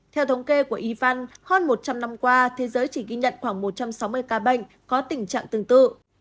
theo thống kê của y văn hơn một trăm linh năm qua thế giới chỉ ghi nhận khoảng một trăm sáu mươi ca bệnh có tình trạng tương tự